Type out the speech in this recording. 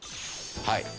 はい。